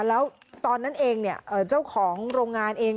แล้วตอนนั้นเองเนี่ยเจ้าของโรงงานเอง